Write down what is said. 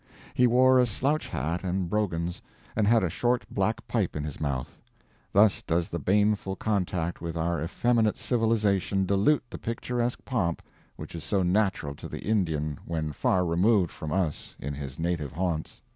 He wore a slouch hat and brogans, and had a short black pipe in his mouth. Thus does the baneful contact with our effeminate civilization dilute the picturesque pomp which is so natural to the Indian when far removed from us in his native haunts.